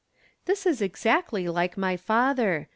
This is exactly like my father.